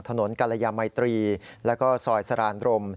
ถนนกาลยามัยตรีและซอยสารานดรม